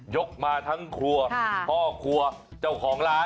กมาทั้งครัวพ่อครัวเจ้าของร้าน